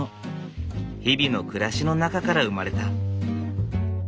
日々の暮らしの中から生まれた。